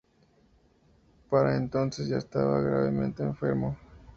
Para entonces, ya estaba gravemente enfermo.